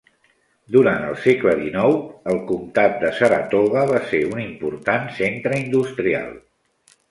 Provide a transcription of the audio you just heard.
Durant el segle XIX, el comtat de Saratoga va ser un important centre industrial.